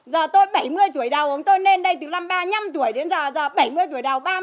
giờ tôi bảy mươi tuổi đầu tôi nên đây từ năm ba mươi năm tuổi đến giờ bảy mươi tuổi đầu